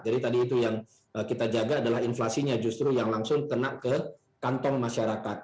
jadi tadi itu yang kita jaga adalah inflasinya justru yang langsung tenak ke kantong masyarakat